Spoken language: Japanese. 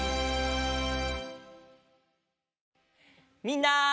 みんな！